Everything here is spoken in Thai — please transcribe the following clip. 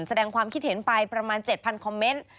แสดงความคิดเห็นไปประมาณ๗๐๐คอมเมนต์